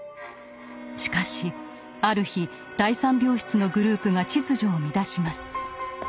しかしある日第３病室のグループが秩序を乱します。